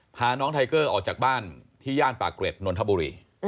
พาน้องไทเกอร์ออกจากบ้านที่ย่านปากเกร็ดนนทบุรี